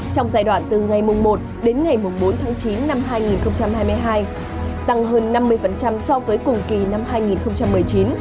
trong giai đoạn từ ngày một đến ngày bốn tháng chín năm hai nghìn hai mươi hai tăng hơn năm mươi so với cùng kỳ năm hai nghìn một mươi chín